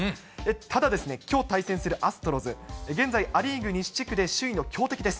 ただ、きょう対戦するアストロズ、現在、ア・リーグ西地区で首位の強敵です。